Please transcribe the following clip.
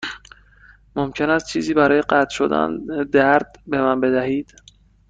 ممکن است چیزی برای قطع شدن درد به من بدهید؟